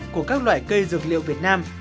của các loại cây dược liệu việt nam